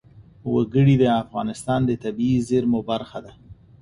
وګړي د افغانستان د طبیعي زیرمو برخه ده.